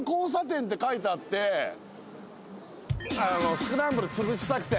スクランブル潰し作戦。